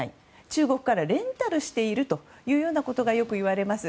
中国からレンタルしているということがよくいわれます。